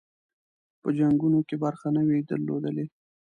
په جنګونو کې برخه نه وي درلودلې.